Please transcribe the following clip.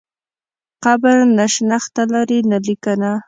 قبر نه شنخته لري نه بله لیکنه.